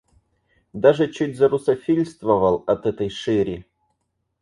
Даже чуть зарусофильствовал от этой шири!